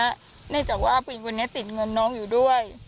เนื่องจากว่าผู้หญิงคนนี้ติดเงินน้องอยู่ด้วย